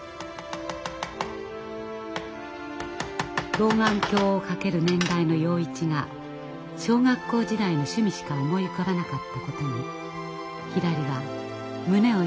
・老眼鏡をかける年代の洋一が小学校時代の趣味しか思い浮かばなかったことにひらりは胸を痛くしていました。